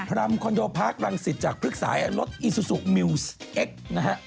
พรรมคอนโดพาร์กรังสิทธิ์จากพฤกษายรถอิซูซูมิวเอ็กซ์นะครับ